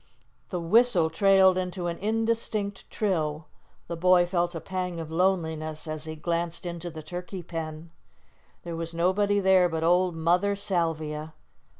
The whistle trailed into an indistinct trill; the boy felt a pang of loneliness as he glanced into the turkey pen. There was nobody there but old Mother Salvia.